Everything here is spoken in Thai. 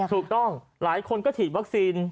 ถูกต้องหลายคนก็ฉีดวัคซีน